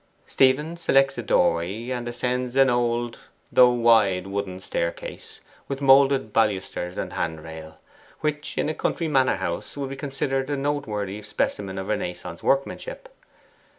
Stephen selects a doorway, and ascends an old though wide wooden staircase, with moulded balusters and handrail, which in a country manor house would be considered a noteworthy specimen of Renaissance workmanship.